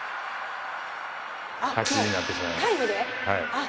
はい。